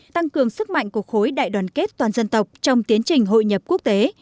tăng cường sức mạnh của khối đại đoàn kết toàn dân tộc trong tiến trình hội nhập quốc tế